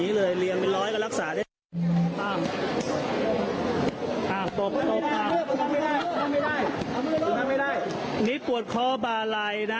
นี่ปวดคอบาลัยนะ